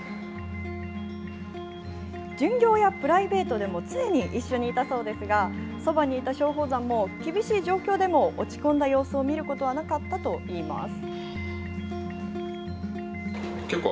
巡業やプライベートでも常に一緒にいたそうですが、そばにいた松鳳山も、厳しい状況でも落ち込んだ様子を見ることはなかったといいます。